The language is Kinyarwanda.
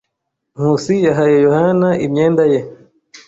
Nkusi yahaye Yohana imyenda ye.